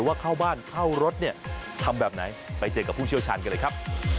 ว่าเข้าบ้านเข้ารถเนี่ยทำแบบไหนไปเจอกับผู้เชี่ยวชาญกันเลยครับ